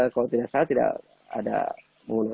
kalau tidak salah tidak ada